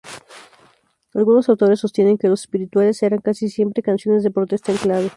Algunos autores sostienen que los espirituales eran, casi siempre, canciones de protesta en clave.